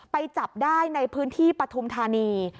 ไปจับได้ในพื้นที่ปฐุมธานี